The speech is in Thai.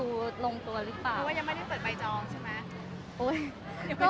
มันเป็นปัญหาจัดการอะไรครับ